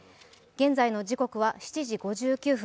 現在の時刻は７時５９分。